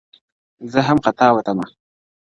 زه هم خطا وتمه~